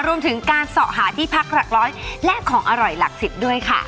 รวมถึงการเสาะหาที่พักหลักร้อยและของอร่อยหลักสิบด้วยค่ะ